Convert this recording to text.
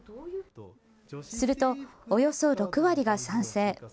するとおよそ６割が賛成。